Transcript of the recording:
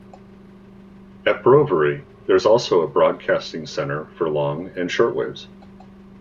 At Brovary, there is also a broadcasting centre for long and shortwaves.